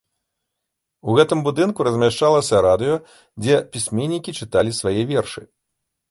У гэтым будынку размяшчалася радыё, дзе пісьменнікі чыталі свае вершы.